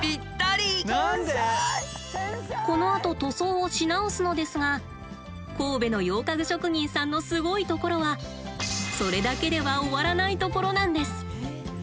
このあと塗装をし直すのですが神戸の洋家具職人さんのすごいところはそれだけでは終わらないところなんです。